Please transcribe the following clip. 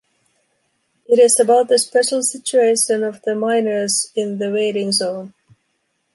It is about the special situation of the miners in the waiting zone.